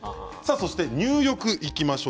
入浴にいきましょう